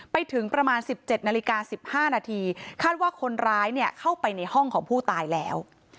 ไปถึงประมาณ๑๗นาฬิกา๑๕นาทีคาดว่าคนร้ายเข้าไปในห้องของผู้ตายแล้ว